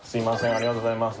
ありがとうございます。